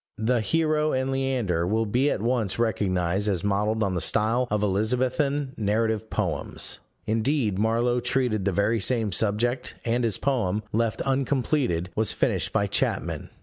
The Hero and Leander will be at once recognized as modelled on the style of Elizabethan narrative poems: indeed Marlow treated the very same subject, and his poem, left uncompleted, was finished by Chapman.